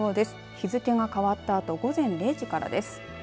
日付が変わったあと午前０時からです。